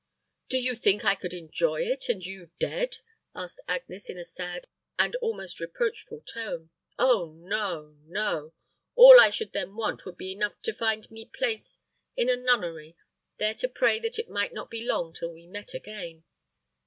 "Do you think I could enjoy it, and you dead?" asked Agnes, in a sad and almost reproachful tone. "Oh, no no! All I should then want would be enough to find me place in a nunnery, there to pray that it might not be long till we met again.